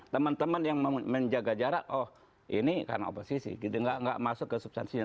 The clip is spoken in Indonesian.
teman teman yang menjaga jarak oh ini karena oposisi gitu nggak masuk ke substansinya